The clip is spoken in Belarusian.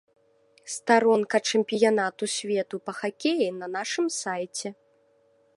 Старонка чэмпіянату свету па хакеі на нашым сайце.